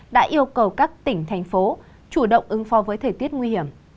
đã yêu cầu các tỉnh thành phố chủ động ứng phó với thời tiết nguy hiểm